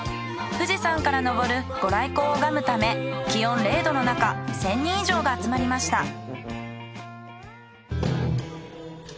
富士山からのぼるご来光を拝むため気温０度のなか１，０００人以上が集まりました。